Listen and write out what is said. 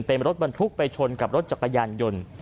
เป็นรถบรรทุกไปชนกับรถจักรยานยนต์